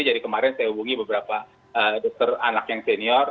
jadi kemarin saya hubungi beberapa dokter anak yang senior